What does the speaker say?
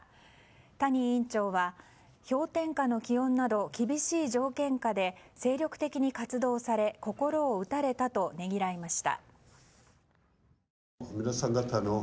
谷委員長は氷点下の気温など厳しい条件下で精力的に活動され心を打たれたとねぎらいました。